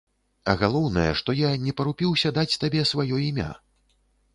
А галоўнае, што я не парупіўся даць табе сваё імя.